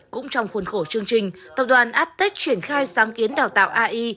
cũng trong khuôn khổ chương trình tập đoàn attech triển khai sáng kiến đào tạo ai